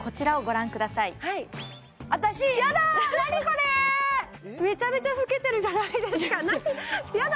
何これめちゃめちゃ老けてるじゃないですかやだ